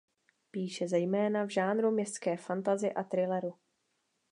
Píše zejména v žánru městské fantasy a thrilleru.